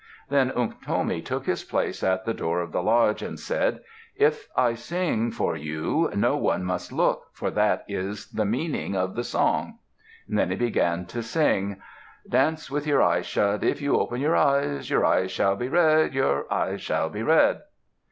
Then Unktomi took his place at the door of the lodge and said, "If I sing for you, no one must look, for that is the meaning of the song." Then he began to sing, Dance with your eyes shut; If you open your eyes Your eyes shall be red! Your eyes shall be red!